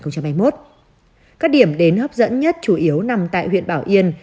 các điểm đến hấp dẫn nhất chủ yếu nằm tại huyện bảo yên